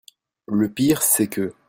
Le pire c'est que…